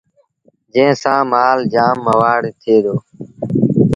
جݩهݩ سآݩ مآل جآم موآڙ ٿئي دو